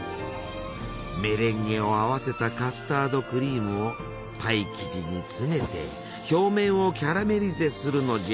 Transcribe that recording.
メレンゲを合わせたカスタードクリームをパイ生地に詰めて表面をキャラメリゼするのじゃ。